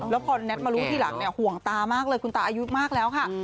แล้วพอแท็ตมารู้ทีหลังเนี่ยห่วงตามากเลยคุณตาอายุมากแล้วค่ะ